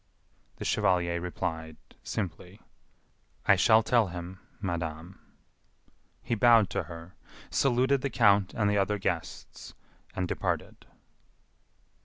The chevalier replied, simply: "I shall tell him, madame." He bowed to her, saluted the count and the other guests, and departed.